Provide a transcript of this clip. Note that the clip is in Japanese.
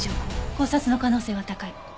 絞殺の可能性は高い。